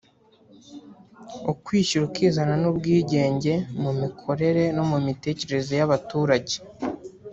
ukwishyira ukizana n’ubwigenge mu mikorere no mu mitekerereze y’abaturage